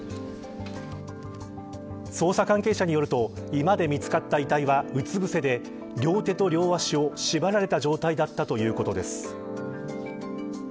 捜査関係者によると居間で見つかった遺体は、うつ伏せで両手と両足を縛られた状態だったということです。